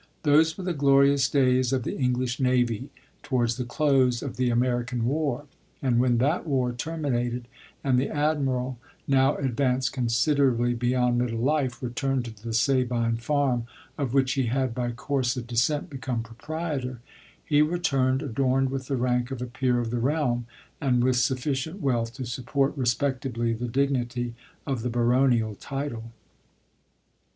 Those were the glorious days of the English navy, towards the close of the American war ; and when that war terminated, and the ad miral, now advanced considerably beyond middle life, returned to the Sabine farm, of which he had, by course of descent, become pro prietor, he returned adorned with the rank of a peer of the realm, and witli sufficient wealth to. support respectablv the dignity of the baronial title.